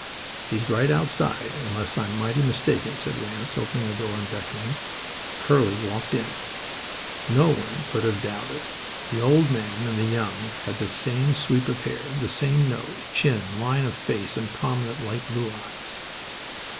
"He's right outside, unless I'm mighty mistaken," said Ranse, opening the door and beckoning. Curly walked in. No one could have doubted. The old man and the young had the same sweep of hair, the same nose, chin, line of face, and prominent light blue eyes.